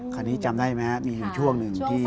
คันนี้จำได้ไหมครับมีอยู่ช่วงหนึ่งที่